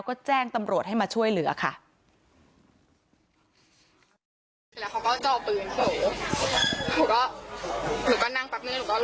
กูลงไปนั่งข้างล่างยิงมอบไปตรงซ้ายโต๊ะ